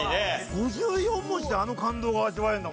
５４文字であの感動が味わえるんだもんね。